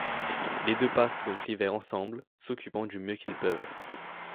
Les deux passent donc l'hiver ensemble, s'occupant du mieux qu'ils peuvent.